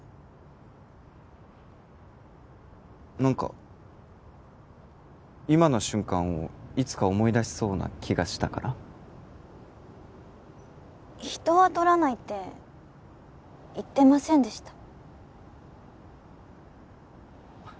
何か今の瞬間をいつか思い出しそうな気がしたから人は撮らないって言ってませんでした？